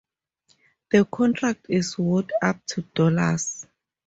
The contract is worth up to dollars.